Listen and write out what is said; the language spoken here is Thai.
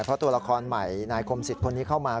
เพราะตัวละครใหม่นายคมสิทธิ์คนนี้เข้ามา